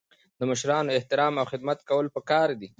د مشرانو احترام او خدمت کول پکار دي.